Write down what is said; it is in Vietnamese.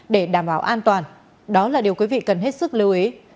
để đảm bảo an toàn đó là điều quý vị cần hết sức lưu ý